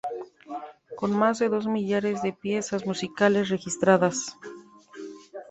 Con más de dos millares de piezas musicales registradas.